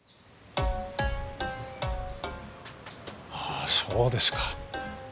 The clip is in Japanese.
あそうですか。